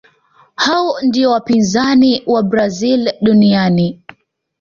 hao ndiyo wapinzani wa brazil duniani